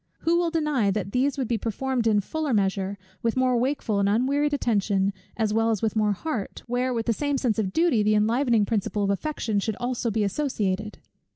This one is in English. Who will deny that these would be performed in fuller measure, with more wakeful and unwearied attention, as well as with more heart; where with the same sense of duty the enlivening principle of affection should be also associated?